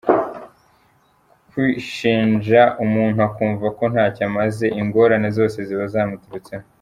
Kwishinja, umuntu akumva ko ntacyo amaze, ingorane zose ziba zamuturutseho.